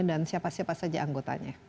dan siapa siapa saja anggotanya